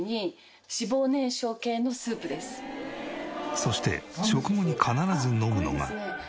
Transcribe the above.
そして食後に必ず飲むのが。